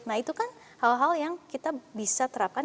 nah itu kan hal hal yang kita bisa terapkan